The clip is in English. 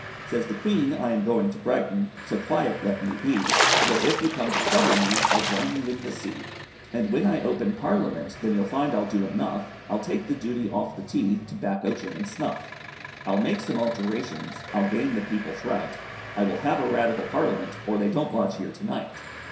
Says the Queen, I am going to Brighton, So quiet let me be, For if you come to trouble me, I'll drown you in the sea. And when I open Parliament, Then you'll find I'll do enough, I'll take the duty off the tea, Tobacco, gin, and snuff. I will make some alterations, I'll gain the people's right, I will have a radical parliament, Or, they don't lodge here to night.